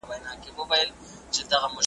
تر بچو پوري خواړه یې رسوله .